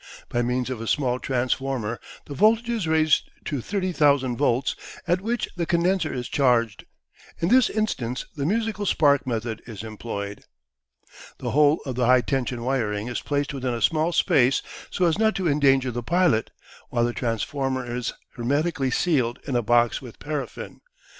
By means of a small transformer the voltage is raised to 30,000 volts, at which the condenser is charged. In this instance the musical spark method is employed. The whole of the high tension wiring is placed within a small space so as not to endanger the pilot, while the transformer is hermetically sealed in a box with paraffin.